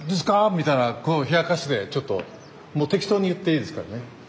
みたいな冷やかしでちょっともう適当に言っていいですからね。